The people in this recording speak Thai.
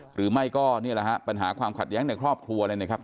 หรือไม่ก็นี่แหละฮะปัญหาความขัดแย้งในครอบครัวเลยนะครับ